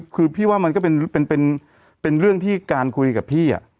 คือพี่ว่ามันก็เป็นเรื่องที่การคุยกับพี่